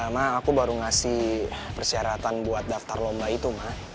gue baru ngasih persyaratan buat daftar lomba itu ma